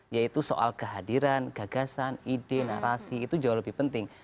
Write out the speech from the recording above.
yaitu soal kehadiran gagasan ide narasi itu jauh lebih penting